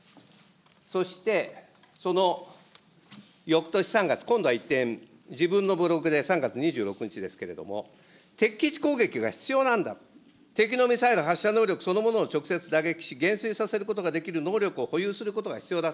そして、そのよくとし３月、今度は一転、自分のブログで、３月２６日ですけれども、敵基地攻撃が必要なんだ、敵のミサイル発射能力そのものを直接打撃し、減衰させることができる能力を保有することが必要だ。